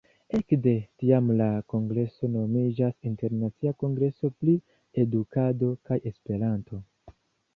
Ekde tiam, la kongreso nomiĝas Internacia Kongreso pri Edukado kaj Esperanto.